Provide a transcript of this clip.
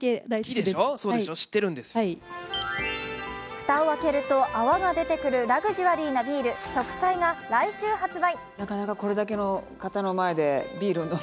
蓋を開けると泡が出てくるラグジュアリーなビール食彩が来週発売。